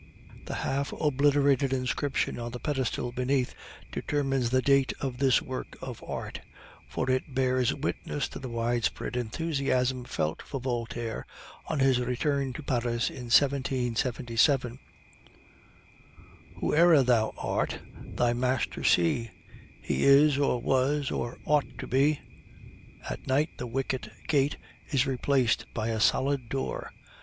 The half obliterated inscription on the pedestal beneath determines the date of this work of art, for it bears witness to the widespread enthusiasm felt for Voltaire on his return to Paris in 1777: "Whoe'er thou art, thy master see; He is, or was, or ought to be." At night the wicket gate is replaced by a solid door.